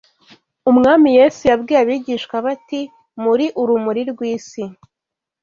Umwami Yesu yabwiye abigishwa be ati: “Muri urumuri rw’isi.